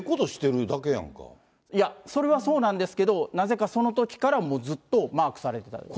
でも、いや、それはそうなんですけど、なぜかそのときから、もうずっとマークされてたようです。